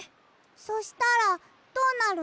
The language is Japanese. そしたらどうなるの？